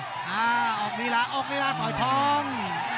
อ้าออกนิราออกนิราต่อท้อง